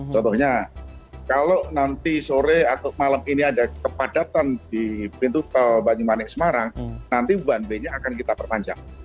contohnya kalau nanti sore atau malam ini ada kepadatan di pintu tol banyumanik semarang nanti one way nya akan kita perpanjang